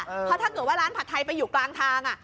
เพราะถ้าเกิดว่าร้านผัดไทยไปอยู่กลางทาง